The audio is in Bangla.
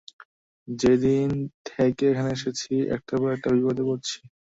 যেদিন থেকে এখানে এসেছি, একটার পর একটা বিপদে পড়েছি।